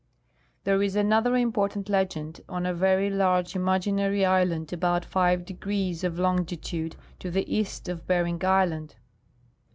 There is another important legend on a very large imaginary island about five degrees of longitude to the east of Bering island.